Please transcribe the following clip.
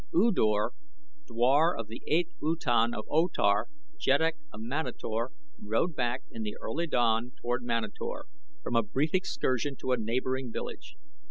U Dor, dwar of the 8th Utan of O Tar, Jeddak of Manator, rode back in the early dawn toward Manator from a brief excursion to a neighboring village.